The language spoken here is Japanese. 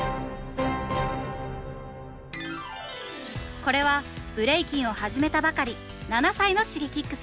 これはブレイキンを始めたばかり７歳のＳｈｉｇｅｋｉｘ。